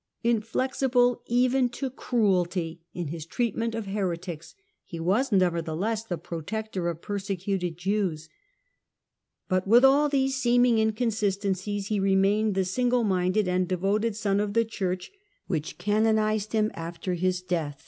Inflexible even to cruelty in his treat ment of heretics, he was nevertheless the protector of the persecuted Jews. But with all these seeming incon sistencies he remained the single minded and devoted eon of the Church which canonized him after his death.